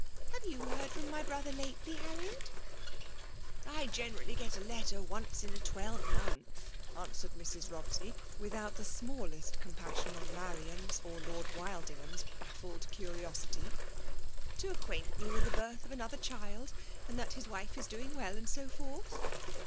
Have you heard from my brother lately, Harriet ?"" I generally get a letter once in a twelve month," answered Mrs. Bobsey, without the smallest compassion on Marian's or Lord Wildingham's bafBed curiosity, '' to acquaint me with the birth of another child, and that his wife is doing well, and so forth.